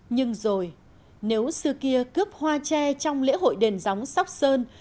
nhưng rồi nếu xưa kia cướp hoa tre trong lễ hội đền gióng sóc sơn